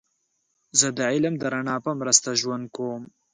زه د علم د رڼا په مرسته ژوند کوم.